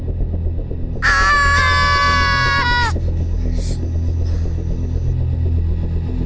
kita mau disetengin hantu itu